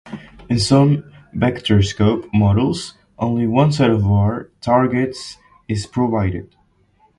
In some vectorscope models, only one set of bar targets is provided.